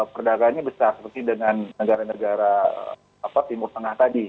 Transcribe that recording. perdagangannya besar seperti dengan negara negara timur tengah tadi